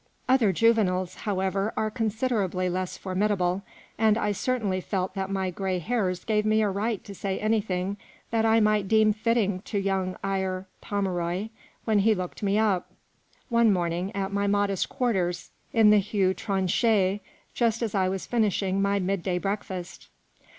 Other juveniles, however, are considerably less formidable, and I certainly felt that my grey hairs gave me a right to say anything that I might deem fitting to young Eyre Pome roy when he looked me up, one morning, at my modest quarters in the Hue Tronchet just as I was finishing my mid day breakfast.